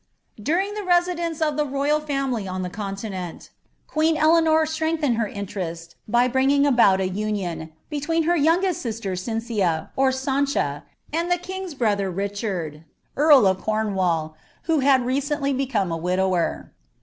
During Ihe residence of the royal family on the continent, qosa Eleanor strengthened her interest by bringing about a onion betwteatar youngest sifter Cincia, or Sancha, and tlie kjng's brother, Rirliard, mI of Cornwall, who had recently became a widower.